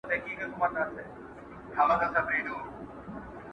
زه خواړه سوم، مزه داره تا مي خوند نه دی کتلی،